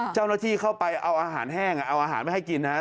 เจ้าหน้าที่เข้าไปเอาอาหารแห้งเอาอาหารมาให้กินนะครับ